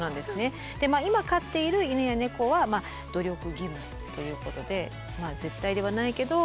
今飼っている犬や猫は努力義務ということで絶対ではないけど。